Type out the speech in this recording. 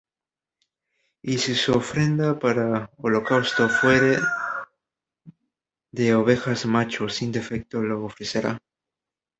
Y si su ofrenda para holocausto fuere de ovejas, macho sin defecto lo ofrecerá.